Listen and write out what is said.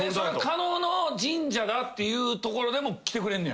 狩野の神社だっていうところでも来てくれんねや？